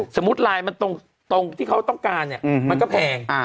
สมมุติลายมันตรงที่เขาต้องการมันก็แพง